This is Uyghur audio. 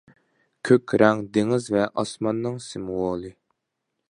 كۆك رەڭ دېڭىز ۋە ئاسماننىڭ سىمۋولى.